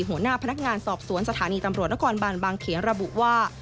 หัวหน้าพนักงานสอบสวนสถานีตำรวจนครบานบางเขนระบุว่า